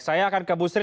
saya akan ke bu sri